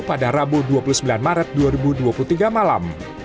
pada rabu dua puluh sembilan maret dua ribu dua puluh tiga malam